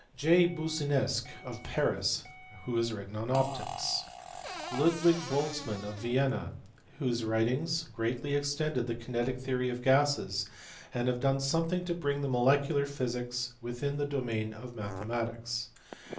J. Boussinesq, of Paris, who has written on optics. Luchvig Boltzmann, of Vienna, whose writings greatly extended the kinetic theory of gases, and have done something to bring molecular physics within the domain of mathematics.